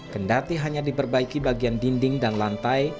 kendati hanya diperbaiki bagian dinding dan lantai